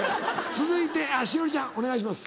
続いて栞里ちゃんお願いします。